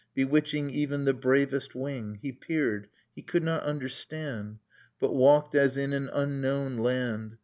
Bewitching even the bravest wing. He peered: he could not understand. But walked as in an unknown land.